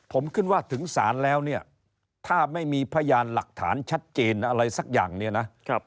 ผมขึ้นว่าถึงศาลแล้วเนี่ยถ้าไม่มีพยานหลักฐานชัดเจนอะไรสักอย่างเนี่ยนะ